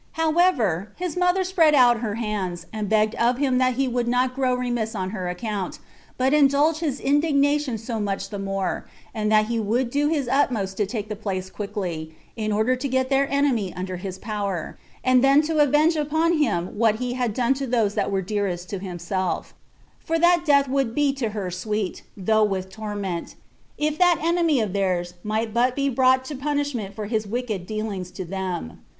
However, his mother spread out her hands, and begged of him that he would not grow remiss on her account, but indulge his indignation so much the more, and that he would do his utmost to take the place quickly, in order to get their enemy under his power, and then to avenge upon him what he had done to those that were dearest to himself; for that death would be to her sweet, though with torment, if that enemy of theirs might but be brought to punishment for his wicked dealings to them.